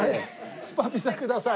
スパピザください。